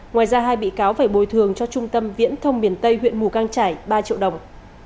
ngoài ra hai bị cáo phải bồi thường cho trung tâm viễn thông miền tây huyện mù căng trải ba triệu đồng